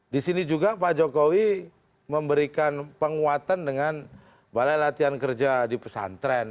di sini juga pak jokowi memberikan penguatan dengan balai latihan kerja di pesantren